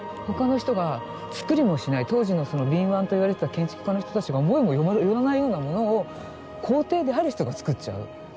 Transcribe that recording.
他の人が作りもしない当時の敏腕といわれてた建築家の人たちが思いもよらないようなものを皇帝である人が作っちゃう。